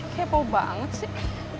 kepo banget sih